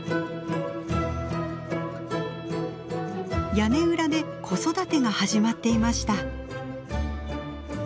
屋根裏で子育てが始まっていました。